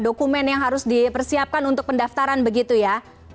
dokumen yang harus dipersiapkan untuk pendaftaran begitu ya